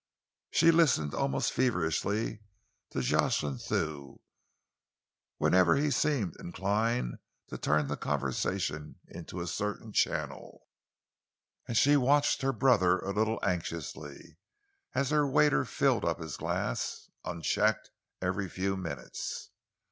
She listened almost feverishly to Jocelyn Thew, whenever he seemed inclined to turn the conversation into a certain channel, and she watched her brother a little anxiously as the waiter filled up his glass, unchecked, every few minutes.